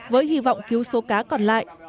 với hy vọng cứu số cá còn lại